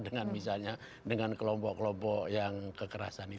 dengan misalnya dengan kelompok kelompok yang kekerasan itu